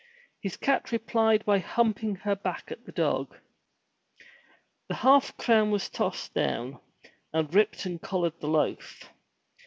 His cat replied by humping her back at the dog. The half crown was tossed down, and Ripton collared the loaf.